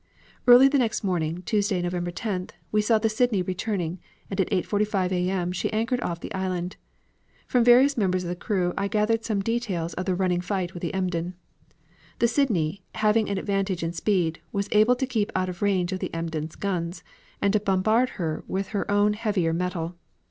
"Early the next morning, Tuesday, November 10th, we saw the Sydney returning, and at 8.45 A. M. she anchored off the island. From various members of the crew I gathered some details of the running fight with the Emden. The Sydney, having an advantage in speed, was able to keep out of range of the Emden's guns, and to bombard with her own heavier metal.